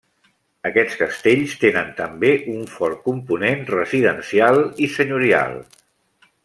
Aquests castells tenen també un fort component residencial i senyorial.